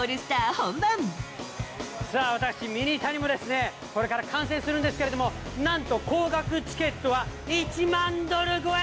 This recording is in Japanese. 本さあ、私、ミニタニもですね、これから観戦するんですけれども、なんと高額チケットは、１万ドル超え。